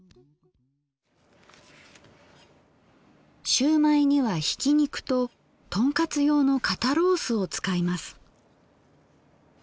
しゅうまいにはひき肉ととんかつ用の肩ロースを使います。